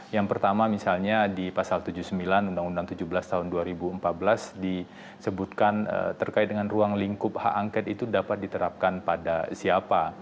yang pertama misalnya di pasal tujuh puluh sembilan undang undang tujuh belas tahun dua ribu empat belas disebutkan terkait dengan ruang lingkup hak angket itu dapat diterapkan pada siapa